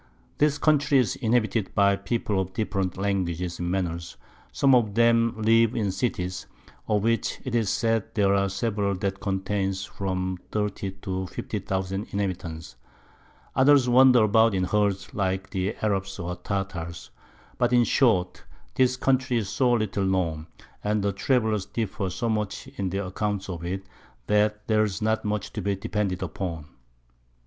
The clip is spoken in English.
This Country is inhabited by People of different Languages and Manners; some of them live in Cities, of which 'tis said there are several that contain from 30 to 50000 Inhabitants; others wander about in Herds like the Arabs or Tartars; but in short, this Country is so little known, and Travellers differ so much in their Accounts of it, that there's not much to be depended upon.